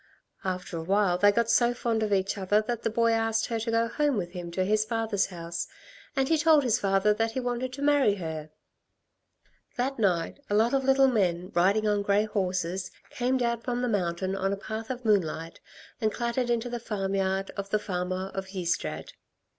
After a while they got so fond of each other that the boy asked her to go home with him to his father's house, and he told his father that he wanted to marry her. "That night a lot of little men, riding on grey horses, came down from the mountain on a path of moonlight and clattered into the farmyard of the farmer of Ystrad.